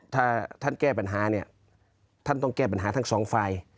ถ้าท่านแก้ปัญหาเนี่ยท่านต้องแก้ปัญหาทั้งสองฝ่าย